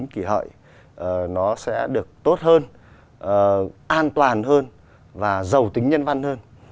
kỷ hợi nó sẽ được tốt hơn an toàn hơn và giàu tính nhân văn hơn